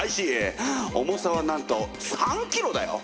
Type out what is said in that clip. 重さはなんと３キロだよ！